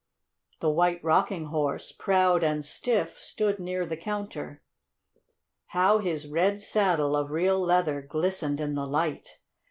The White Rocking Horse, proud and stiff, stood near the counter. How his red saddle, of real leather, glistened in the light!